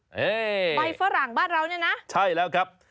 นี่ใบฝรั่งบ้านเราเนี่ยนะใช่แล้วครับ